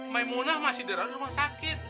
maimunah masih dirawat rumah sakit